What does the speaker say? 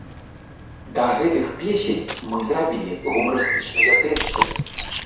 Да гэтых песень мы зрабілі гумарыстычныя тэксты.